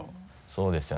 そうですよね